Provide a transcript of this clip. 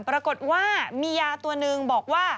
ปรากฏว่ามียาตัวหนึ่งบอกว่า